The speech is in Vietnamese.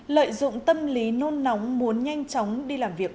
lợi dụng tâm lý nôn nóng muốn nhanh chóng đi làm việc